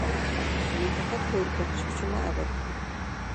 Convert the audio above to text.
بۇنى پەقەت كۆرۈپ بېقىش ئۈچۈنلا ئەۋەتتىم.